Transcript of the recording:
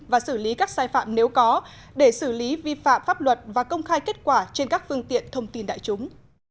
và xử lý các sai phạm nếu có để xử lý vi phạm pháp luật và công khai kết quả trên các phương tiện thông tin đại chúng